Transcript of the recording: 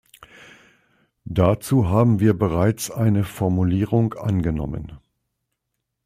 Dazu haben wir bereits eine Formulierung angenommen.